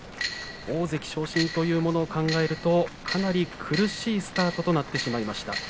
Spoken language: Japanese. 大関昇進というものを考えるとかなり苦しいスタートとなってしまいました。